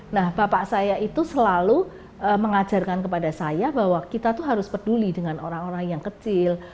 nah bapak saya itu selalu mengajarkan kepada saya bahwa kita tuh harus peduli dengan orang orang yang kecil